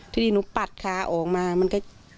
ทีนี้หนูปัดขาออกมามันก็